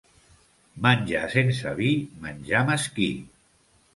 Menjar sense vi, menjar mesquí.